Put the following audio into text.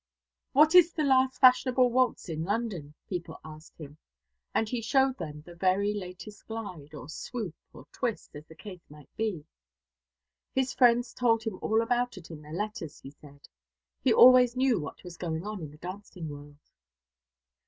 "What is the last fashionable waltz in London?" people asked him; and he showed them the very latest glide, or swoop, or twist, as the case might be. His friends told him all about it in their letters, he said. He always knew what was going on in the dancing world.